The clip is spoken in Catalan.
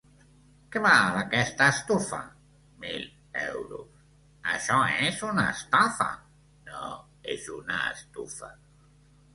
-Que val aquesta estufa? -Mil euros. -Això és una estafa! -No, és una estufa.